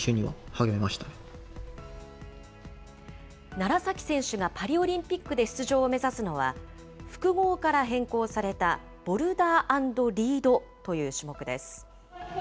楢崎選手がパリオリンピックで出場を目指すのは、複合から変更されたボルダー＆リードという種目です。